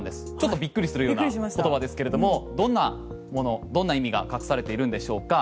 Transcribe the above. びっくりするような言葉ですけれどもどんな意味が隠されているんでしょうか。